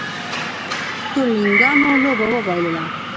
تورلېنګانو لوبه وبایلله